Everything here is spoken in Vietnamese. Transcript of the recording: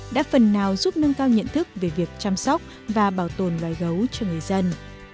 đã phần nào giúp nâng cao nhận thức về việc chăm sóc và bảo tồn loài gấu cho người dân